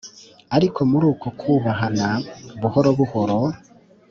Ariko muri uko kubahana buhoro buhoro,